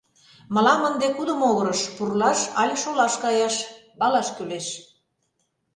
Мылам ынде кудо могырыш — пурлаш але шолаш каяш — палаш кӱлеш.